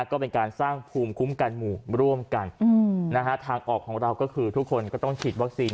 ก็เป็นการสร้างภูมิคุ้มกันหมู่ร่วมกันทางออกของเราก็คือทุกคนก็ต้องฉีดวัคซีน